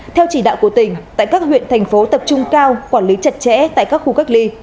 theo chỉ đạo của tỉnh tại các huyện thành phố tập trung cao quản lý chặt chẽ tại các khu cách ly